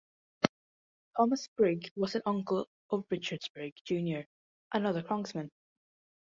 Thomas Sprigg was an uncle of Richard Sprigg, Junior another Congressman.